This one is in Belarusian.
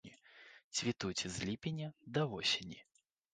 Цвітуць з ліпеня да восені.